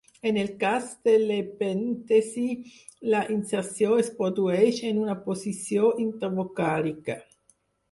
En el cas de l'epèntesi, la inserció es produeix en una posició intervocàlica.